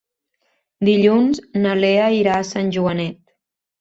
Dilluns na Lea irà a Sant Joanet.